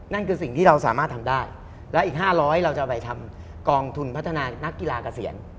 นั่นคือสิ่งที่เราสามารถทำได้แล้วอีก๕๐๐เราจะไปทำกองทุนพัฒนานักกีฬาเกษียณ